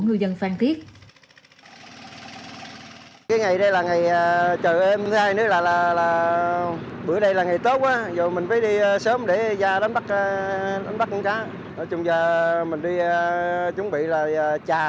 mình đi chuẩn bị là trà